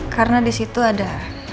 karena disitu ada